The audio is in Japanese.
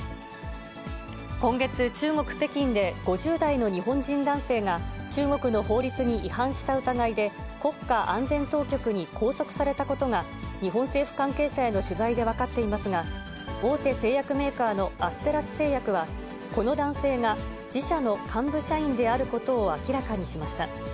今月、中国・北京で５０代の日本人男性が、中国の法律に違反した疑いで、国家安全当局に拘束されたことが、日本政府関係者への取材で分かっていますが、大手製薬メーカーのアステラス製薬は、この男性が自社の幹部社員であることを明らかにしました。